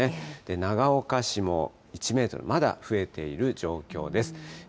長岡市も１メートル、まだ増えている状況です。